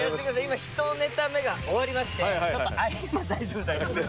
今ひとネタ目が終わりましてちょっと大丈夫大丈夫です